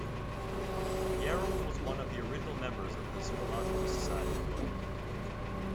Yarrell was one of the original members of the Zoological Society of London.